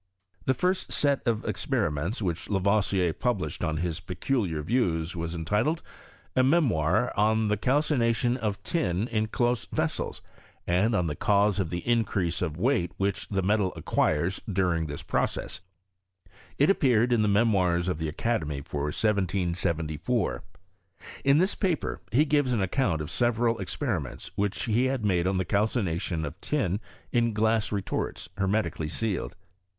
The first set of experiments which Lavoisier pub lislied on his peculiar views, was entitled, '^ A Me > lOZ msTORT OF CHBM1STB.T. moir OD the Calcination of Tin in close Veasela ; and on the Cause of the increase of Weight which the Metal acquires dttring this Process," It appeared in the Memoirs of the Academy, for 1774. In this paper he gives an account of several experinienla which he had made on the calcination of tin in glasB retorts, hermetically sealed.